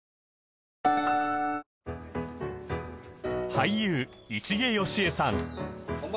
俳優市毛良枝さん